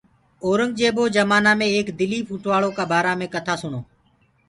اورنٚگجيبو جمآنآ مي ايڪ دليٚڦ اوٽواݪو بآرآ مي ڪٿا سُڻو